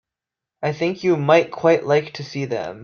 I think you might quite like to see them.